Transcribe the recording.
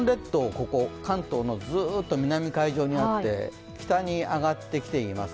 ここ、関東のずっと南海上にあって北に上がってきています。